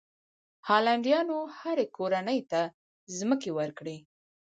هالنډیانو هرې کورنۍ ته ځمکې ورکړې.